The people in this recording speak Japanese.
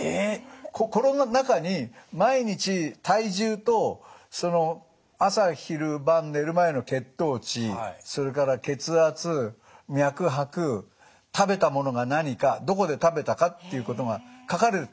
この中に毎日体重と朝昼晩寝る前の血糖値それから血圧脈拍食べたものが何かどこで食べたかということが書かれる。